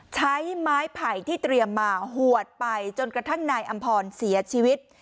ใช้ไม้ไผ่ที่เตรียมมาหวดไปจนกระทั่งนายอำพรเสียชีวิต